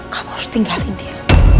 kamu harus tinggalin dia